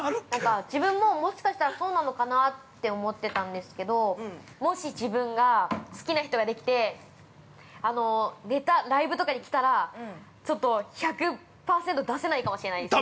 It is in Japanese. ◆自分も、もしかしたらそうなのかなって思ってたんですけどもし、自分が好きな人ができてライブとかに来たらちょっと１００％出せないかもしれないです。